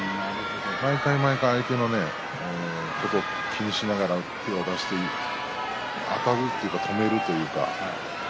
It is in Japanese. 毎回毎回、相手のことを気にしながら手を出してあたるというか止めるというか。